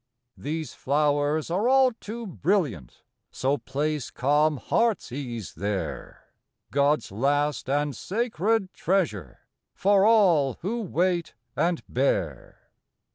These flowers are all too brilliant, So place calm heart's ease there, God's last and sacred treasure For all who wait and bear.